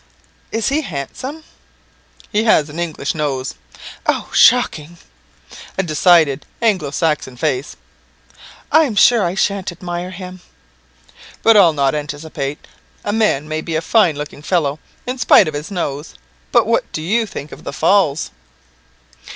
"Is he handsome?" "He has an English nose." "Oh, shocking!" "A decided Anglo Saxon face." "I'm sure I shan't admire him." "But I'll not anticipate. A man may be a fine looking fellow in spite of his nose. But what do you think of the Falls?"